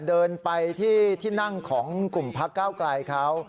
เดินไปที่ที่นั่งของกลุ่มพักเก้าไกลเขา